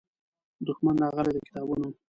دښمن راغلی د کتابونو